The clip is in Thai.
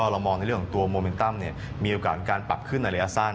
เรามองเรื่องตัวโมเมนตัมมีโอกาสการปรับขึ้นในเลศน